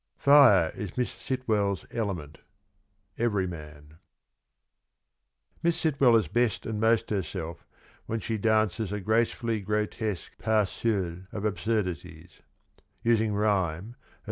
Fire is Miss Sitwell's element. — Everyman. Miss Sitwell is best and most herself when she dances a gracefully grotesque pas seul of absurdities, — using rhyme, as M.